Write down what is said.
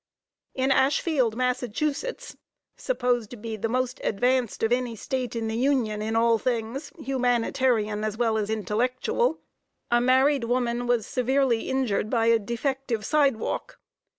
In Ashfield, Mass., supposed to be the most advanced of any State in the Union in all things, humanitarian as well as intellectual, a married woman was severely injured by a defective sidewalk.